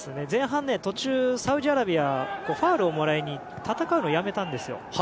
前半、途中サウジアラビアはファウルをもらいに行って戦うのをやめたんですよ。